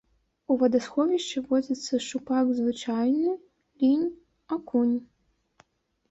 У вадасховішчы водзяцца шчупак звычайны, лінь, акунь.